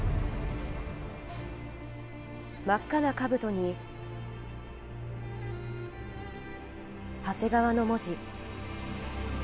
真っ赤なかぶとに長谷川の文字。